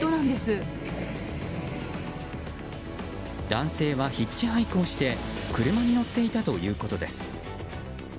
男性はヒッチハイクをして車に乗っていたということです。